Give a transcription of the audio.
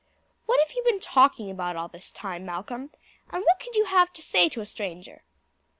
"What have you been talking about all this time, Malcolm, and what could you have to say to a stranger?"